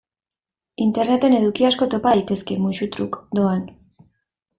Interneten eduki asko topa daitezke musu-truk, doan.